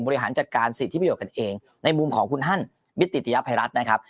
บริหารจัดการสิทธิประโยชนกันเองในมุมของคุณฮันมิตติยภัยรัฐนะครับ